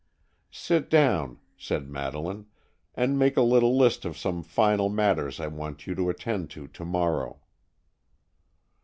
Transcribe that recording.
"Sit down," said Madeleine, "and make a little list of some final matters I want you to attend to to morrow."